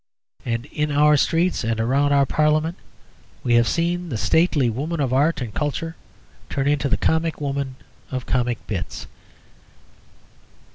And in our streets and around our Parliament we have seen the stately woman of art and culture turn into the comic woman of Comic Bits.